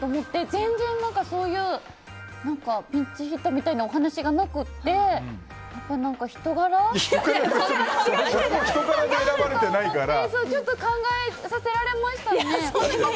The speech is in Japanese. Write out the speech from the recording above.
全然そういうピンチヒッターみたいなお話がなくてやっぱり人柄って思ってちょっと考えさせられましたね。